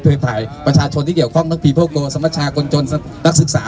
เผยไพรประชาชนที่เกี่ยวข้องมักพีโฟโกสมชาคนจนนักศึกษา